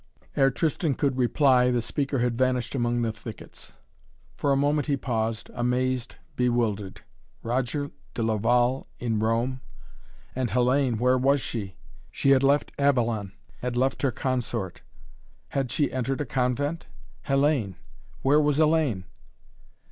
Ere Tristan could reply the speaker had vanished among the thickets. For a moment he paused, amazed, bewildered. Roger de Laval in Rome! And Hellayne where was she? She had left Avalon had left her consort. Had she entered a convent? Hellayne where was Hellayne?